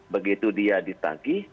begitu dia ditangki